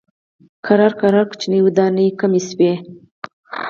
ورو ورو دنګې ودانۍ کمې شوې.